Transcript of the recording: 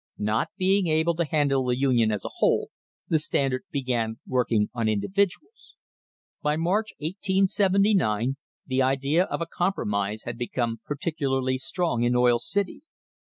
Not being able to handle the Union as a whole, the Standard began working on individuals. By March, 1879, the idea of a compromise had become particularly strong in Oil City.